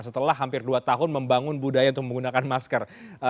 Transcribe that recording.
setelah hampir dua tahun membangun budaya untuk menggunakan masker